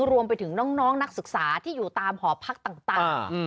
รวมไปถึงน้องนักศึกษาที่อยู่ตามหอพักต่าง